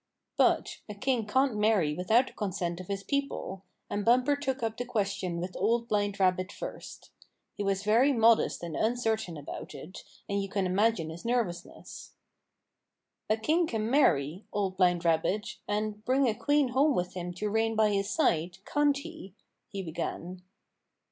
But a king can't marry without the con sent of his people, and Bumper took up the ques tion with Old Blind Rabbit first. He was very modest and uncertain about it, and you can imagine his nervousness. 106 Bumper Makes Fuzzy Wuzz Que^ 107 " A king can marry. Old Blind Rabbit, and bring a queen home with him to reign by his side, can't he ?" he began.